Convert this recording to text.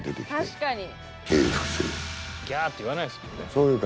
確かに。